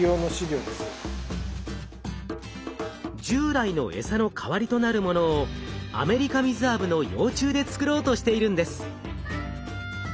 従来のエサの代わりとなるものをアメリカミズアブの幼虫で作ろうとしているんです。